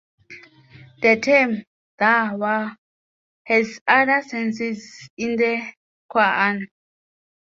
The term "da'wah" has other senses in the Qur'an.